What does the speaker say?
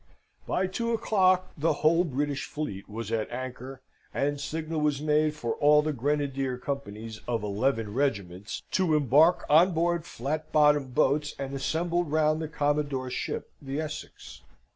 By two o'clock the whole British fleet was at anchor, and signal was made for all the grenadier companies of eleven regiments to embark on board flat bottomed boats and assemble round the Commodore's ship, the Essex.